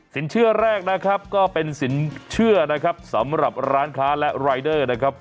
สินเชื่อแรกก็เป็นสินเชื่อสำหรับร้านค้าและรายเดอร์นะครับ